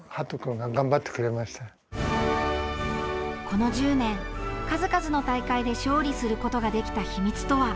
この１０年、数々の大会で勝利することができた秘密とは。